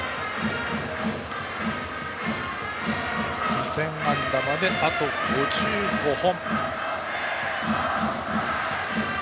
２０００安打まで、あと５５本。